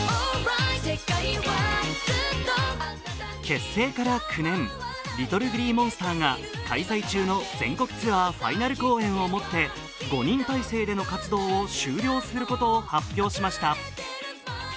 結成から９年、ＬｉｔｔｌｅＧｌｅｅＭｏｎｓｔｅｒが開催中の全国ツアーファイナル公演をもって５人体制での活動を終了することを発表しました。